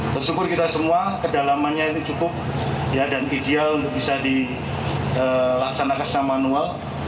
tersyukur kita semua kedalamannya ini cukup ya dan ideal untuk bisa dilaksanakan secara manual